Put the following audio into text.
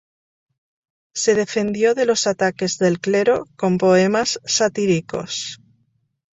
Se defendió de los ataques del clero con poemas satíricos.